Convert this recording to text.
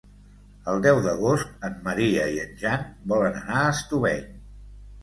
El deu d'agost en Maria i en Jan volen anar a Estubeny.